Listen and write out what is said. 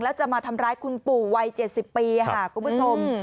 แล้วจะมาทำร้ายคุณปู่วัย๗๐ปีค่ะคุณผู้ชม